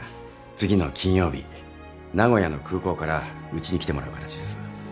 次の金曜日名古屋の空港からうちに来てもらう形です。